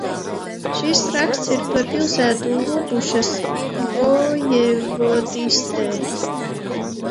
Šis raksts ir par pilsētu Lubušas vojevodistē.